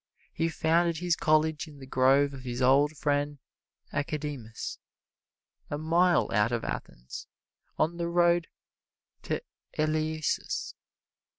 He founded his college in the grove of his old friend Academus, a mile out of Athens on the road to Eleusis.